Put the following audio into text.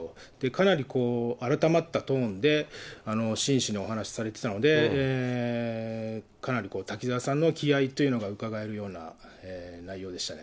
かなり改まったトーンで真摯にお話されていたので、かなり滝沢さんの気合いというのがうかがえるような内容でしたね。